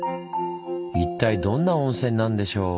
一体どんな温泉なんでしょう？